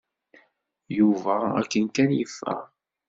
Yuba akken kan yeffeɣ.